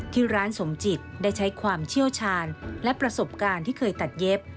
ที่ร้านสมจิตได้ใช้ความเชี่ยวชาญและประสบการณ์ที่เคยตัดเย็บ